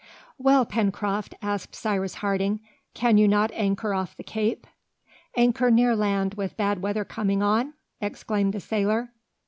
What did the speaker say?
"Well, Pencroft," asked Cyrus Harding, "can you not anchor off the Cape?" "Anchor near land, with bad weather coming on!" exclaimed the sailor.